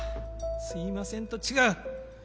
「すみません」と違う。